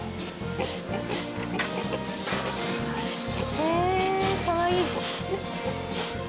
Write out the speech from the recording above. へえかわいい。